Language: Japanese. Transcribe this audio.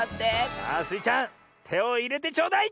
さあスイちゃんてをいれてちょうだい！